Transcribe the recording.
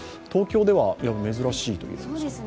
東京では珍しいと。